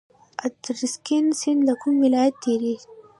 ادرسکن سیند له کوم ولایت تیریږي؟